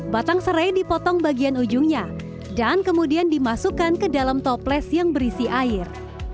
batang serai dipotong bagian ujungnya dan kemudian dimasukkan ke dalam toples yang berisi air